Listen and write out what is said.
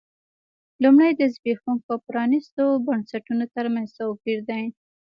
لومړی د زبېښونکو او پرانیستو بنسټونو ترمنځ توپیر دی.